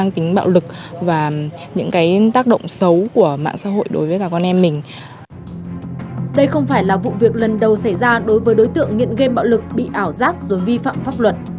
việc lần đầu xảy ra đối với đối tượng nghiện game bạo lực bị ảo giác rồi vi phạm pháp luật